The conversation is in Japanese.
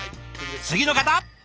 次の方！